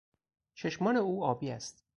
چشمان او آبی است.